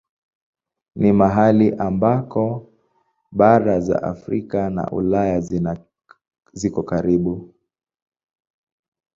Ni mahali ambako bara za Afrika na Ulaya ziko karibu.